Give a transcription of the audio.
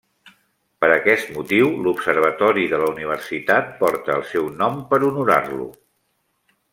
Per aquest motiu, l'observatori de la universitat porta el seu nom per honorar-lo.